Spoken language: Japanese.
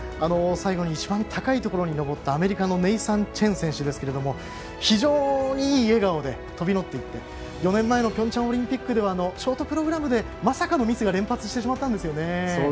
最後に一番高いところに上ったアメリカのネイサン・チェン選手ですけども非常にいい笑顔で飛び乗っていって４年前のピョンチャンオリンピックではショートプログラムでまさかのミスが連発してしまったんですよね。